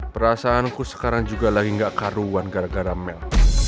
perasaanku sekarang juga lagi gak karuan gara gara mel